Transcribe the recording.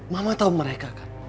mama tau mereka kan